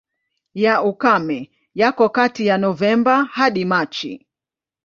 Ya ukame yako kati ya Novemba hadi Machi.